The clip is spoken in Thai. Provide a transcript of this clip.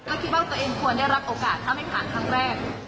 ก็คิดว่าตัวเองควรได้รับโอกาสถ้าไม่ผ่านครั้งแรก